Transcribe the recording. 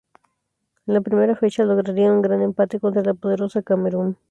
En la primera fecha, lograría un gran empate contra la poderosa Camerún.